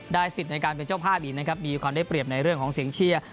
สิทธิ์ในการเป็นเจ้าภาพอีกนะครับมีความได้เปรียบในเรื่องของเสียงเชียร์